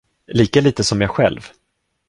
Lika litet som jag själv.